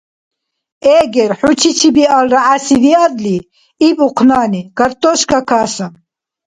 Эгер, хӀу чичи–биалра гӀясивиадли, — иб ухънани, — картошка каса.